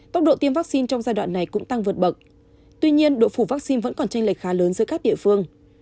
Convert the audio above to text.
tốc độ tiêm vaccine trong giai đoạn này cũng tăng vượt bậc tuy nhiên độ phủ vaccine vẫn còn tranh lệch khá lớn giữa các địa phương